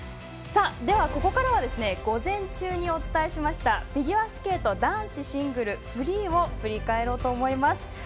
ここからは午前中にお伝えしましたフィギュアスケート男子シングルフリーを振り返ろうと思います。